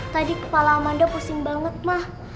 tadi kepala amanda pusing banget mah